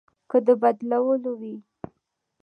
که د بدلو وي.